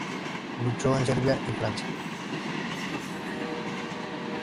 Luchó en Serbia y Francia.